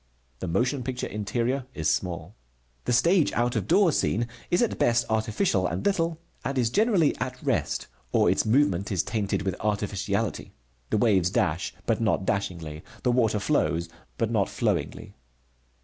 The motion picture interior is small. The stage out of door scene is at best artificial and little and is generally at rest, or its movement is tainted with artificiality. The waves dash, but not dashingly, the water flows, but not flowingly.